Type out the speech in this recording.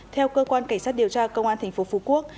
theo cơ quan cảnh sát điều tra công an thành phố phú quốc